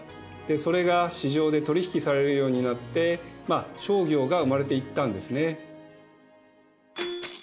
それが市場で取引されるようになってまあ商業が生まれていったんですね。